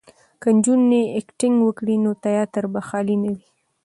که نجونې اکټینګ وکړي نو تیاتر به خالي نه وي.